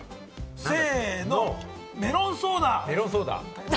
せーの、メロンソーダ！